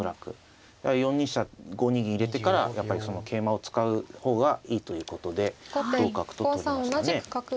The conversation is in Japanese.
４二飛車５二銀入れてからやっぱり桂馬を使う方がいいということで同角と取りましたね。